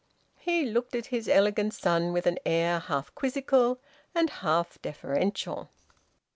He looked at his elegant son with an air half quizzical and half deferential.